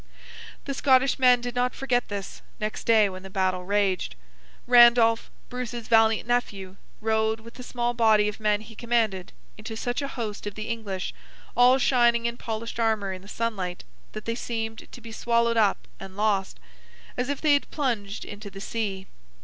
The Scottish men did not forget this, next day when the battle raged. Randolph, Bruce's valiant Nephew, rode, with the small body of men he commanded, into such a host of the English, all shining in polished armour in the sunlight, that they seemed to be swallowed up and lost, as if they had plunged into the sea.